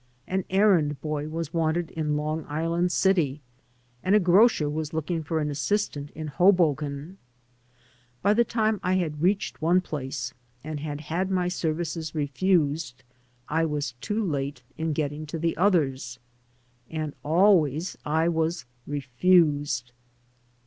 An errand boy was wanted in Long Island City, and a grocer was looking for an assistant in Hoboken. By the time I had reached one place and had had my services refused, I was too late in getting to the others. And always I was refused.